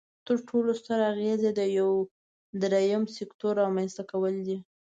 تر ټولو ستر اغیز یې د یو دریم سکتور رامینځ ته کول دي.